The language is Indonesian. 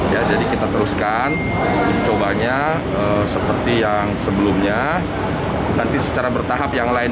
ya jadi kita teruskan cobanya seperti yang sebelumnya nanti secara bertahap yang lain